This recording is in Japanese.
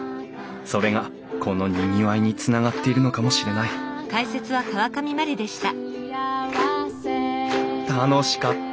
それがこのにぎわいにつながっているのかもしれない楽しかった！